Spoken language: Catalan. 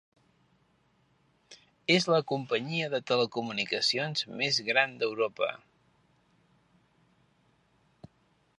És la companyia de telecomunicacions més gran d'Europa.